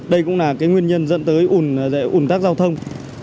đây cũng là nguyên nhân dẫn tới ổn tắc giao thông